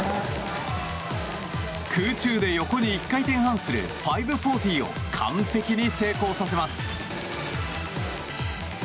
空中で横に１回転半する５４０を完璧に成功させます。